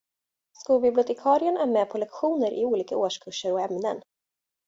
Skolbibliotekarien är med på lektioner i olika årskurser och ämnen.